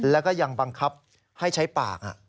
แล้วก็ยังบังคับให้ใช้ปาก